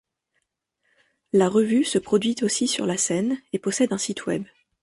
La revue se produit aussi sur la scène et possède un site web.